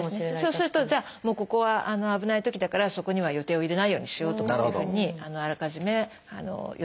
そうするとじゃあもうここは危ないときだからそこには予定を入れないようにしようとかというふうにあらかじめ予定も立つと。